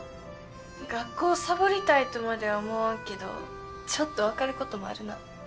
学校サボりたいとまでは思わんけどちょっとわかることもあるな。